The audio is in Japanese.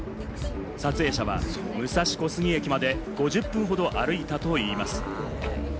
撮影者は武蔵小杉駅まで５０分ほど歩いたといいます。